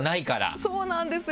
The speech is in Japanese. そうなんですよ！